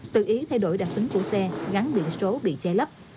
tự ý thay đổi đặc tính của xe gắn biển số bị che lấp